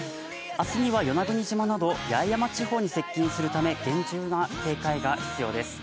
明日には与那国島など八重山地方に接近するため厳重な警戒が必要です。